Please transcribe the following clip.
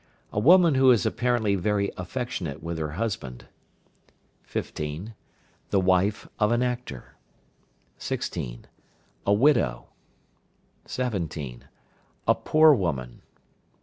A woman who is apparently very affectionate with her husband. 15. The wife of an actor. 16. A widow. 17. A poor woman.